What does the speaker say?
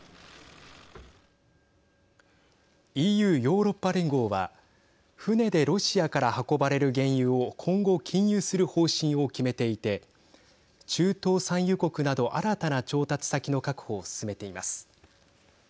ＥＵ＝ヨーロッパ連合は船でロシアから運ばれる原油を今後、禁輸する方針を決めていて中東・産油国など新たな調達先の確保を進めています。